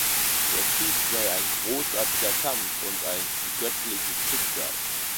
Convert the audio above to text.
Der Krieg sei ein großartiger Kampf und ein "göttliches Schicksal".